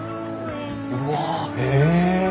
うわ！へえ！